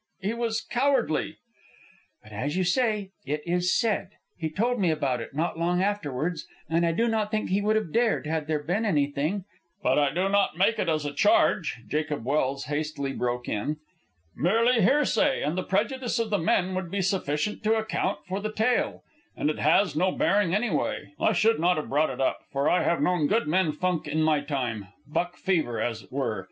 .. he was cowardly." "But as you say, it is said. He told me about it, not long afterwards, and I do not think he would have dared had there been anything " "But I do not make it as a charge," Jacob Welse hastily broke in. "Merely hearsay, and the prejudice of the men would be sufficient to account for the tale. And it has no bearing, anyway. I should not have brought it up, for I have known good men funk in my time buck fever, as it were.